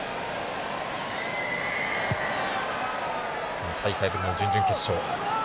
２大会ぶりの準々決勝